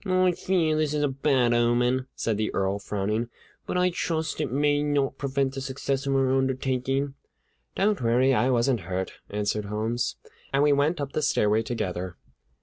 "I fear that this is a bad omen," said the Earl, frowning; "but I trust it may not prevent the success of our undertaking." "Don't worry! I wasn't hurt," answered Holmes. And we went up the stairway together.